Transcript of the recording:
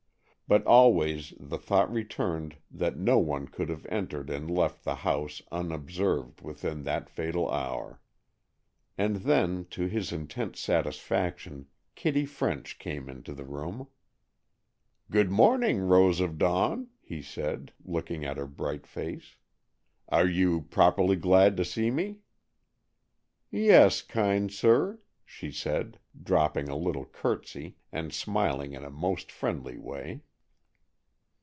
But always the thought returned that no one could have entered and left the house unobserved within that fatal hour. And then, to his intense satisfaction, Kitty French came into the room. "Good morning, Rose of Dawn," he said, looking at her bright face. "Are you properly glad to see me?" "Yes, kind sir," she said, dropping a little curtsey, and smiling in a most friendly way.